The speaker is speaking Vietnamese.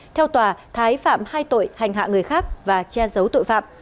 theo tòa thái phạm hai tội hành hạ người khác và che giấu tội phạm